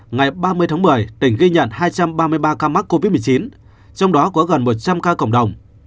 ngày ba mươi tháng một mươi tỉnh ghi nhận hai trăm ba mươi ba ca mắc covid một mươi chín trong đó có gần một trăm linh ca cộng đồng